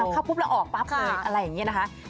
เข้าปุ๊บแล้วออกปั๊บเลยอะไรอย่างนี้นะคะ